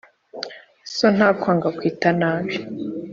So ntakwanga, akwita nabi.